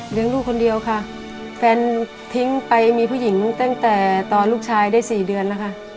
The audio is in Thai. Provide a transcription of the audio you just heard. ลูกคนเดียวค่ะแฟนทิ้งไปมีผู้หญิงตั้งแต่ตอนลูกชายได้สี่เดือนแล้วค่ะ